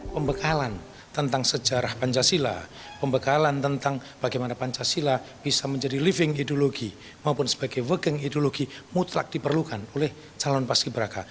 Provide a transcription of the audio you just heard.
pembekalan tentang sejarah pancasila pembekalan tentang bagaimana pancasila bisa menjadi living ideologi maupun sebagai working ideologi mutlak diperlukan oleh calon paski beraka